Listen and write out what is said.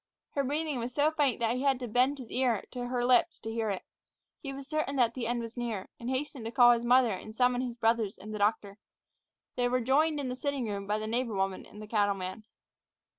Her breathing was so faint that he had to bend his ear to her lips to hear it. He was certain that the end was near, and hastened to call his mother and summon his brothers and the doctor. They were joined in the sitting room by the neighbor woman and the cattleman.